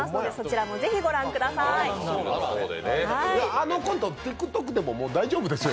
あのコントＴｉｋＴｏｋでももう大丈夫ですよ